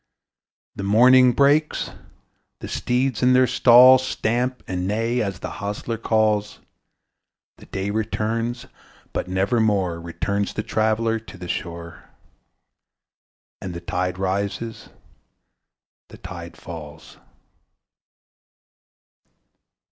The morning breaks; the steeds in their stalls Stamp and neigh, as the hostler calls; The day returns, but nevermore Returns the traveller to the shore, And the tide rises, the tide falls.